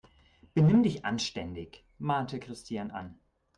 "Benimm dich anständig!", mahnte Christiane an.